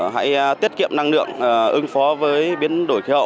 hãy tiết kiệm năng lượng ứng phó với biến đổi khí hậu